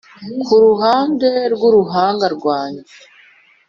kuruhande rwuruhanga rwanjye,